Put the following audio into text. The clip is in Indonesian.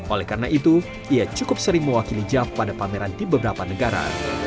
oleh karena itu ia cukup sering mewakili jav pada pameran di beberapa negara